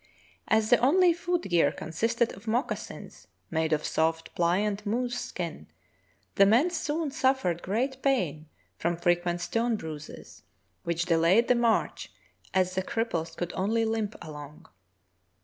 As the only foot gear consisted of moccasins made of soft, pliant moose skin, the men soon suffered great pain from frequent stone bruises, which delayed the march as the cripples could only limp along.